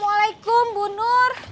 assalamualaikum bu nur